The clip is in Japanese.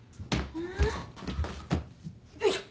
ん？よいしょ。